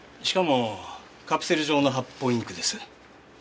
しかもカプセル状の発泡インクです。